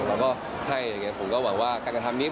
แล้วก็ให้ผมก็หวังว่าการทำนี้